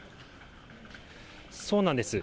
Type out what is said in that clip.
そうなんです。